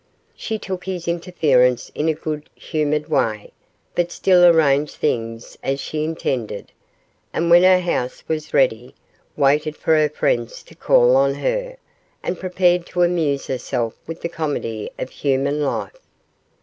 She took his interference in a good humoured way, but still arranged things as she intended; and when her house was ready, waited for her friends to call on her, and prepared to amuse herself with the comedy of human life.